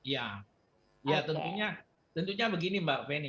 ya tentunya begini mbak fani